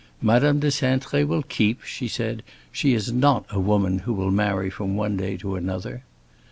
"Madame de Cintré will keep," she said; "she is not a woman who will marry from one day to another."